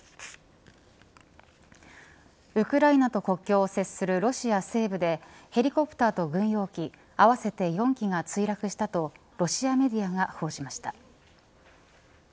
ウクライナと国境を接するロシア西部でヘリコプターと軍用機合わせて４機が墜落したとロシアメディアが報じました。